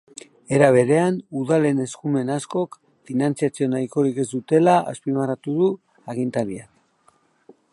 Era berean, udalen eskumen askok finantziazio nahikorik ez dutela azpimarratu du agintariak.